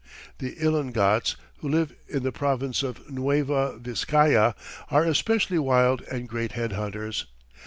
The Ilongots, who live in the province of Nueva Viscaya, are especially wild and great head hunters.